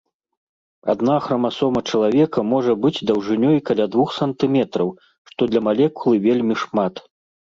Адна храмасома чалавека можа быць даўжынёй каля двух сантыметраў, што для малекулы вельмі шмат.